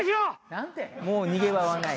「もう逃げ場はない」。